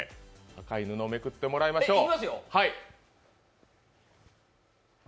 赤い布をめくってもらいましょう。